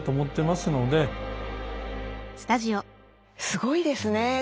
すごいですね。